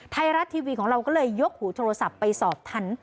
ไทยรัฐทีวีของเราก็เลยยกหูโทรศัพท์ไปสอบทัน